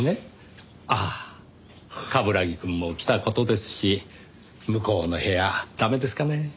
あっ冠城くんも来た事ですし向こうの部屋駄目ですかね？